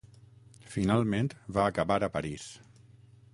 Finalment va acabar a París.